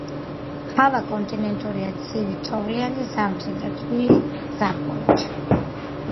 ჰავა კონტინენტურია, ცივი, თოვლიანი ზამთრით და თბილი ზაფხულით.